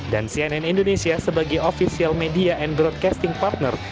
cnn indonesia sebagai official media and broadcasting partner